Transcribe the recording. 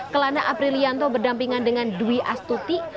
kelana aprilianto berdampingan dengan dwi astuti